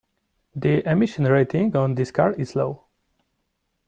The emission rating on this car is low.